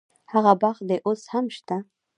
هغه باغ دې اوس هم شته.